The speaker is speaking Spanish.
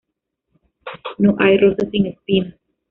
No hay rosa sin espinas